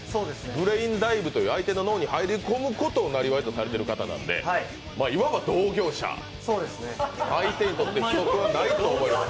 ブレインダイブという相手の脳に入り込むことをなりわいとされている方なんで、いわば同業者、相手にとって不足はないと思います。